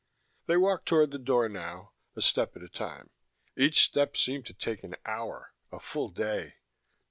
They walked toward the door now, a step at a time. Each step seemed to take an hour, a full day.